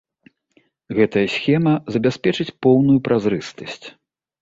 Гэтая схема забяспечыць поўную празрыстасць.